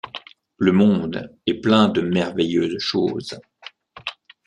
Le monde est plein de merveilleuses choses.